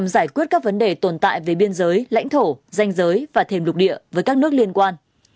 giải quyết các vấn đề tồn tại về biên giới lãnh thổ danh giới và thềm lục địa với các nước liên quan